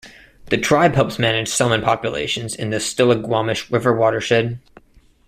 The tribe helps manage salmon populations in the Stillaguamish River watershed.